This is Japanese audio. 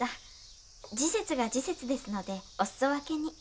時節が時節ですのでおすそ分けに。